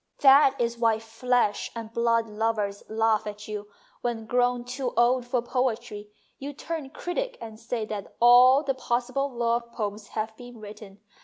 " That is why flesh and blood lovers laugh at you when, grown too old for poetry, you turn critic and say that all the possible love poems have been written.